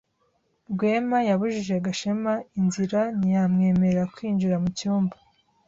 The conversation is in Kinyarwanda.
Rwema yabujije Gashema inzira ntiyamwemerera kwinjira mu cyumba.